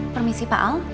permisi pak al